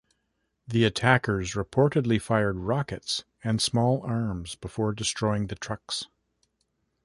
The attackers reportedly fired rockets and small arms before destroying the trucks.